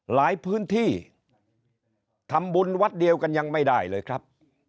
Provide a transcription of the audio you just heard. หลายพื้นที่ทำบุญวัดเดียวกันยังไม่ได้เลยครับ